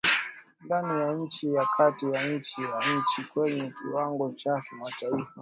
ndani ya nchi na kati ya nchi na nchi kwenye kiwango cha kimataifa